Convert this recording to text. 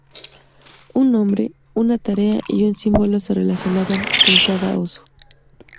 Un nombre, una tarea y un símbolo se relacionaban con cada oso.